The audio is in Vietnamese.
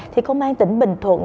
thì công an tỉnh bình thuận